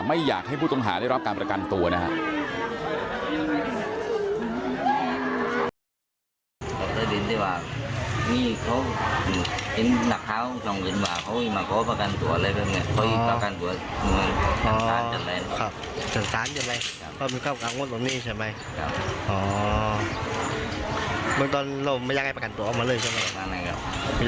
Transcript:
ไม่อยากให้ผู้ต้องหาได้รับการประกันตัวนะครับ